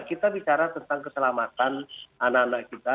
kita bicara tentang keselamatan anak anak kita